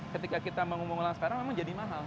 ketika kita mengumumkan sekarang memang jadi mahal